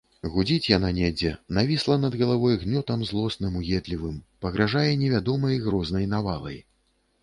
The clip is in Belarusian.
Гудзіць яна недзе, навісла над галавой гнётам злосным, уедлівым, пагражае невядомай, грознай навалай.